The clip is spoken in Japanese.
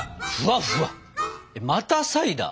またサイダー？